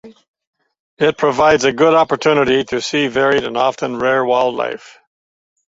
It provides a good opportunity to see varied and often rare wildlife.